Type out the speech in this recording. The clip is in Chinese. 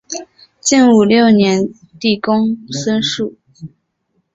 建武六年帝公孙述。